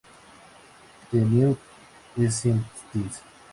The New Scientist.